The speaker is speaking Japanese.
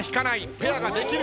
ペアができる。